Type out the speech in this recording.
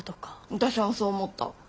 私もそう思った。